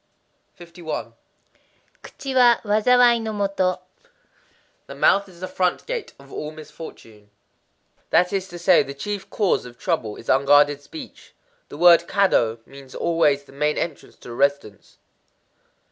51.—Kuchi wa wazawai no kado. The mouth is the front gate of all misfortune. That is to say, The chief cause of trouble is unguarded speech. The word Kado means always the main entrance to a residence.